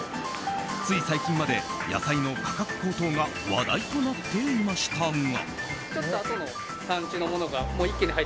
つい最近まで野菜の価格高騰が話題となっていましたが。